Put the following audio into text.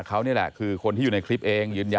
เขานี่แหละคือคนที่อยู่ในคลิปเองยืนยัน